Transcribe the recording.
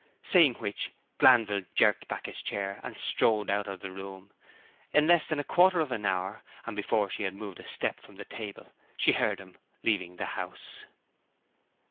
Saying which, Glanville jerked back his chair, and strode out of the room. In less than a quarter of an hour, and before she had moved a step from the table, she heard him leaving the house.